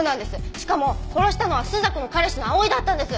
しかも殺したのは朱雀の彼氏の葵だったんです。